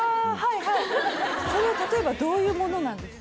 はいそれは例えばどういうものなんですか？